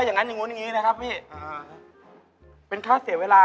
อะไรกันวะ